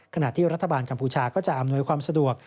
ขณะที่รัฐบาลกัมพูชาก็จะอำนวยความสะดวก